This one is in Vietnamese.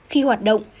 khi hoạt động